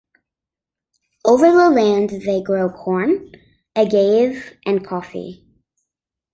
Over the land they grow corn, agave and coffee.